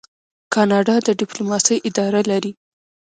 کاناډا د ډیپلوماسۍ اداره لري.